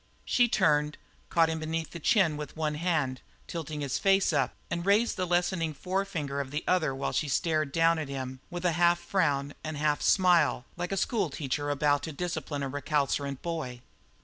She turned, caught him beneath the chin with one hand, tilting his face, and raised the lessoning forefinger of the other while she stared down at him with a half frown and a half smile like a schoolteacher about to discipline a recalcitrant boy.